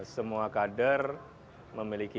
semua kader memiliki